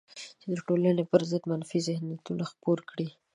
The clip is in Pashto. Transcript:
چې د ټولنې پر ضد منفي ذهنیت خپور کړي